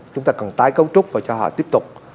chúng ta còn tái cấu trúc và cho họ tiếp tục